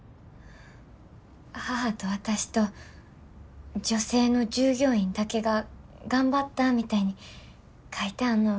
母と私と女性の従業員だけが頑張ったみたいに書いてあんのは。